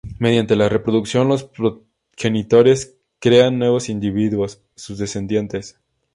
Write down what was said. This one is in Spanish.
Mediante la reproducción los progenitores crean nuevos individuos, sus descendientes.